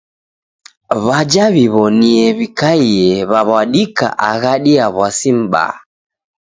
W'aja w'iw'onie w'ikaie w'aw'adika aghadi ya w'asi m'baa.